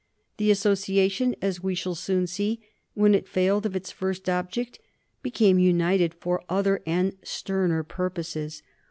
The association, as we shall soon see, when it failed of its first object became united for other and sterner purposes.